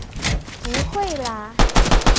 不会啦！